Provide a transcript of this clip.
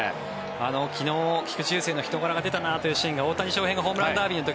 昨日、菊池雄星の人柄が出たなというシーンが大谷翔平がホームランダービーの時